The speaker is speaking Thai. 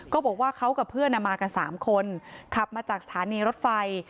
บอกว่าเขากับเพื่อนมากัน๓คนขับมาจากสถานีรถไฟ